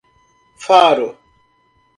Faro